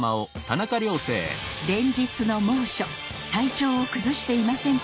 連日の猛暑体調を崩していませんか？